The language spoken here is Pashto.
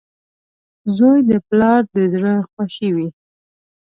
• زوی د پلار د زړۀ خوښي وي.